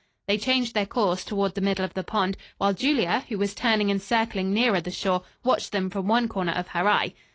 They changed their course toward the middle of the pond, while Julia, who was turning and circling nearer the shore, watched them from one corner of her eye.